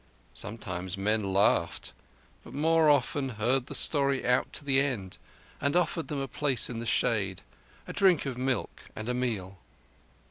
Sometimes men laughed, but more often heard the story out to the end and offered them a place in the shade, a drink of milk, and a meal.